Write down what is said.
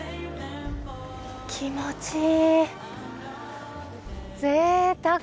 気持ちいい。